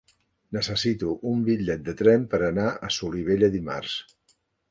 Necessito un bitllet de tren per anar a Solivella dimarts.